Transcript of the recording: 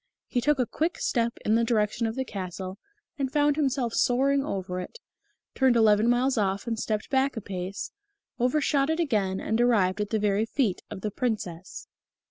He took a quick step in the direction of the castle and found himself soaring over it; turned eleven miles off and stepped back a pace; overshot it again, and arrived at the very feet of the Princess.